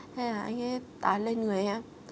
thế là anh ấy tán lên người em